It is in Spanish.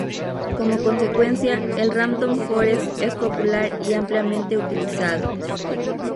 Como consecuencia, el Random forest es popular y ampliamente utilizado.